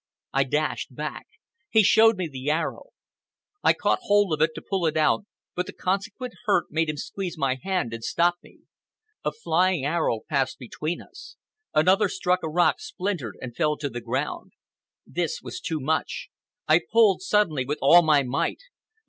I dashed back. He showed me the arrow. I caught hold of it to pull it out, but the consequent hurt made him seize my hand and stop me. A flying arrow passed between us. Another struck a rock, splintered, and fell to the ground. This was too much. I pulled, suddenly, with all my might.